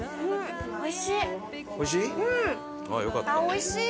おいしい？